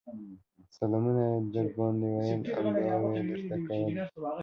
سلامونه يې درباندې ويل او دعاوې يې درته کولې